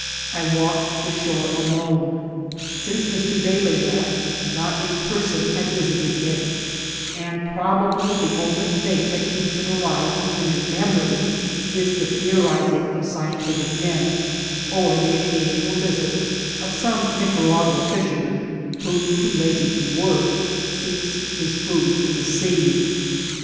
I walk* ed the shore alone. Since Mr. Bailey left not a person had visited it ; and probably the only thing that keeps it alive even in memory is the theorising of scientific men, or the occasional visit of some Nicaragua fish^ man, who, too lazy to work, seeks his food in the sea.